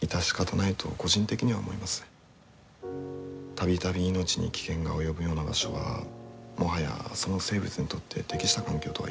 度々命に危険が及ぶような場所はもはやその生物にとって適した環境とは言えない。